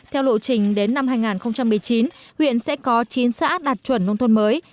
theo lộ trình đến năm hai nghìn một mươi chín huyện sẽ có chín xã đạt chuẩn nông thôn mới